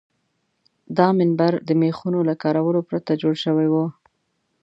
دا منبر د میخونو له کارولو پرته جوړ شوی و.